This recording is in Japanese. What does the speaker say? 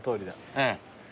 はい。